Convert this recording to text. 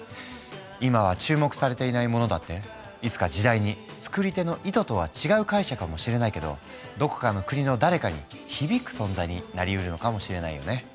今は注目されていないものだっていつか時代に作り手の意図とは違う解釈かもしれないけどどこかの国の誰かに響く存在になりうるのかもしれないよね。